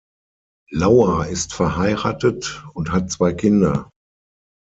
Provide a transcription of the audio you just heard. Lauer ist verheiratet und hat zwei Kinder.